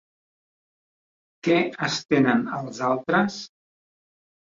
Què estenen els altres?